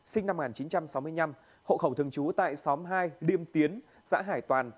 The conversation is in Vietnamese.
sinh năm một nghìn chín trăm sáu mươi năm hộ khẩu thường trú tại xóm hai điêm tiến xã hải toàn